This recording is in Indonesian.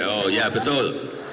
oh ya betul